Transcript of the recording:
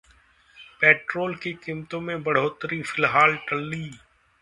petrol की कीमतों में बढ़ोतरी फिलहाल टली